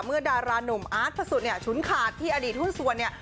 เมื่อดาราหนุ่มอาร์ตพระสุทธิ์ชุนขาดที่อดีตหุ้นสวน